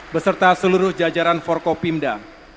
beserta seluruh jajaran forkopimda